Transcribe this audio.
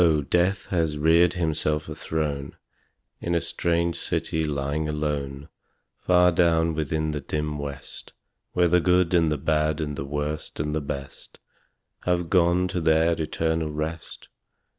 Death has reared himself a throne In a strange city lying alone Far down within the dim West, Where the good and the bad and the worst and the best Have gone to their eternal rest.